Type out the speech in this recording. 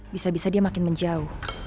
bisa bisa dia makin menjauh